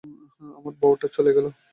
আমার বউটা চলে গেলো।